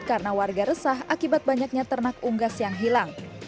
karena warga resah akibat banyaknya ternak unggas yang hilang